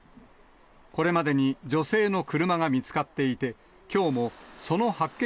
これまでに女性の車が見つかっていて、きょうもその発見